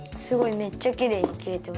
めっちゃきれいにきれてますね。